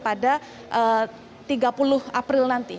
pada tiga puluh april nanti